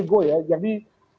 ini adalah soal ego ya